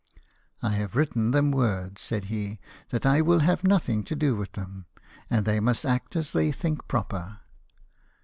" I have written them word," said he, " that I will have nothing to do with them, and they must act as they think proper.